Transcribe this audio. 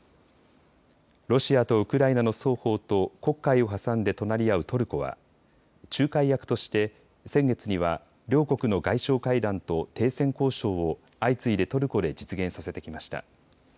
ロシアとウクライナの双方と黒海を挟んで隣り合うトルコは仲介役として先月には両国の外相会談と停戦交渉を相次いでトルコで実現させてきました。